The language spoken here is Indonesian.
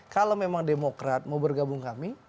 kalau memang demokrat mau bergabung kami